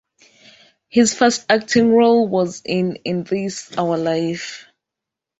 His first acting role was in "In This Our Life".